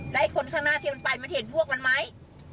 แล้วไอ้คนข้างหน้าที่มันไปมันเห็นพวกมันไหม